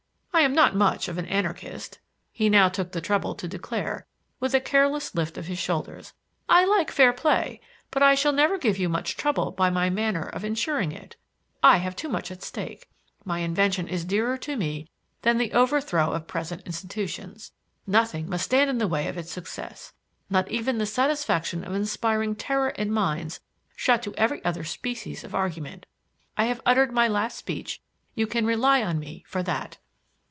"I am not much of an anarchist," he now took the trouble to declare, with a careless lift of his shoulders. "I like fair play, but I shall never give you much trouble by my manner of insuring it. I have too much at stake. My invention is dearer to me than the overthrow of present institutions. Nothing must stand in the way of its success, not even the satisfaction of inspiring terror in minds shut to every other species of argument. I have uttered my last speech; you can rely on me for that."